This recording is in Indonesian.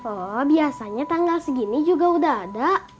oh biasanya tanggal segini juga udah ada